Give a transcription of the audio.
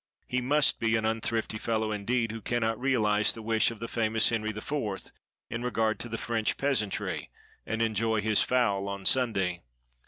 He must be an unthrifty fellow, indeed, who cannot realize the wish of the famous Henry IV. in regard to the French peasantry, and enjoy his fowl on Sunday.